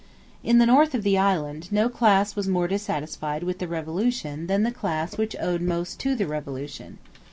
In the north of the island, no class was more dissatisfied with the Revolution than the class which owed most to the Revolution.